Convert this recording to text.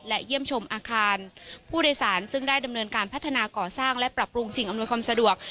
และเยี่ยมชมอาคารผู้โดยสารซึ่งได้ดำเนินการพัฒนาก่อสร้างและปรับปรุงสิ่งอำนวยความสะดวก